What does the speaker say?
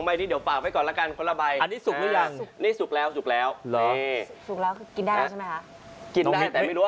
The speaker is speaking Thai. สุกแล้วกินได้ใช่ไหมคะกินได้แต่ไม่รู้ว่า